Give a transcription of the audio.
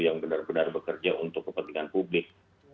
yang benar benar bekerja untuk kepentingan publik